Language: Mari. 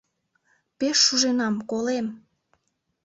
Пеш шуженам, колем.